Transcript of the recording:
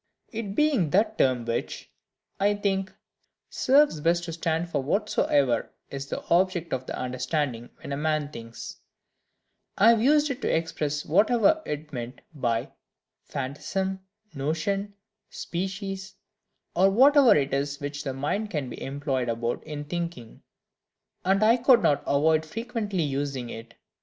It being that term which, I think, serves best to stand for whatsoever is the OBJECT of the understanding when a man thinks, I have used it to express whatever is meant by PHANTASM, NOTION, SPECIES, or WHATEVER IT IS WHICH THE MIND CAN BE EMPLOYED ABOUT IN THINKING; and I could not avoid frequently using it.